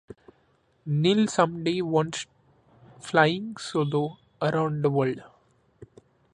Neil some day wants flying solo around the world.